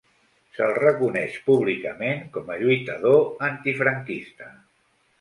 Se'l reconeix públicament com a lluitador antifranquista.